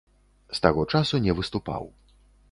З таго часу не выступаў.